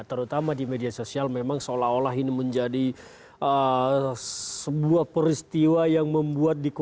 terutama di media sosial memang seolah olah ini menjadi sebuah peristiwa yang membuat